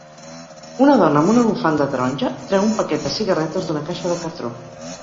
Una dona amb una bufanda taronja treu un paquet de cigarretes d'una caixa de cartró.